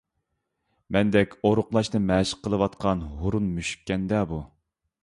مەندەك ئورۇقلاشنى مەشىق قىلىۋاتقان ھۇرۇن مۈشۈككەندە بۇ؟